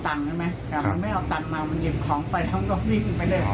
ใช่ไหมแต่มันไม่เอาตังค์มามันหยิบของไปเขาก็วิ่งไปเลย